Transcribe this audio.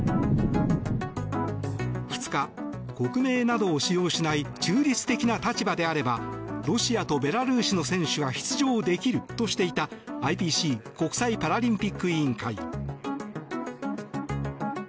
２日、国名などを使用しない中立的な立場であればロシアとベラルーシの選手は出場できるとしていたＩＰＣ・国際パラリンピック委員会。